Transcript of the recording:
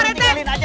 tidak tinggalin aja